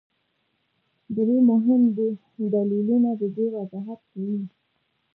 درې مهم دلیلونه د دې وضاحت کوي.